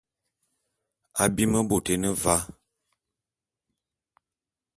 Abim bôt é ne va.